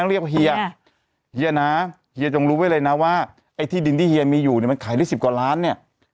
เรียกเฮียเฮียนะเฮียจงรู้ไว้เลยนะว่าไอ้ที่ดินที่เฮียมีอยู่เนี่ยมันขายได้๑๐กว่าล้านเนี่ย